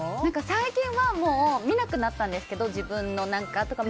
最近はもう見なくなったんですけど自分の何かとか。